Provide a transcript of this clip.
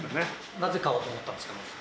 なぜ買おうと思ったんですか？